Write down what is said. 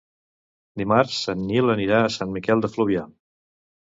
Dimarts en Nil anirà a Sant Miquel de Fluvià.